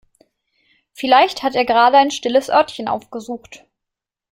Vielleicht hat er gerade ein stilles Örtchen aufgesucht.